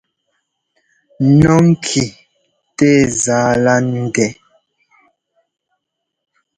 Nɔ́ ŋki tɛɛ zá lá ndɛ́.